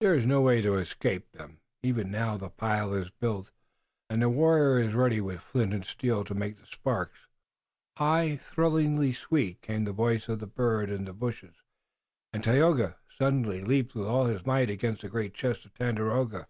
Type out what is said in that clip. "There is no way to escape them. Even now the pile is built, and the warrior is ready with flint and steel to make the sparks." High, thrillingly sweet, came the voice of the bird in the bushes, and Tayoga suddenly leaped with all his might against the great chest of Tandakora.